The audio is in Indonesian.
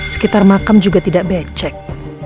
sekitar makam juga tidak becek